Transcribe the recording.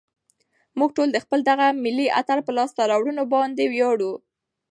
موږ ټول د خپل دغه ملي اتل په لاسته راوړنو باندې ویاړو.